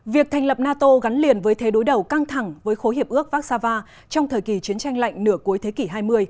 việc thành lập nato gắn liền với thế đối đầu căng thẳng với khối hiệp ước vác xa va trong thời kỳ chiến tranh lạnh nửa cuối thế kỷ hai mươi